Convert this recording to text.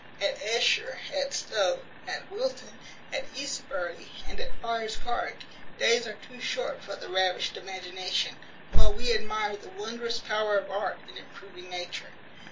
At Eshur, at Stowe, at Wilton, at Eastbury, and at Prior's Park, days are too short for the ravished imagination; while we admire the wondrous power of art in improving nature.